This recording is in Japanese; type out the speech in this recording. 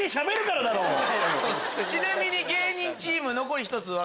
ちなみに芸人チーム残り１つは？